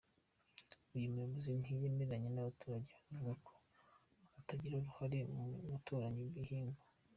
Uyu muyobozi ntiyemeranya n’abaturage bavuga ko batagira uruhare mu gutoranya ibihingwa.